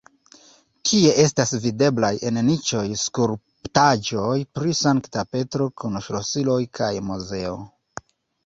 Tie estas videblaj en niĉoj skulptaĵoj pri Sankta Petro kun ŝlosiloj kaj Moseo.